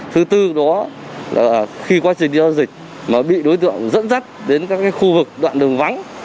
thứ tư đó là khi quá trình giao dịch mà bị đối tượng dẫn dắt đến các khu vực đoạn đường vắng